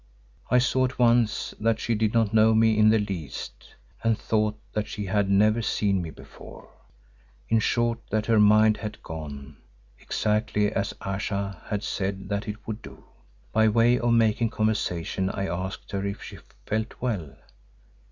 I saw at once that she did not know me in the least and thought that she had never seen me before, in short, that her mind had gone, exactly as Ayesha had said that it would do. By way of making conversation I asked her if she felt well.